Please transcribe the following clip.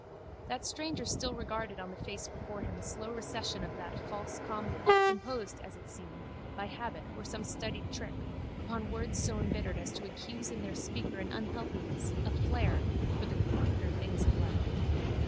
The stranger still regarded on the face before him a slow recession of that false calm there, imposed, as it seemed, by habit or some studied trick, upon words so embittered as to accuse in their speaker an unhealthiness, a flair, for the cruder things of life.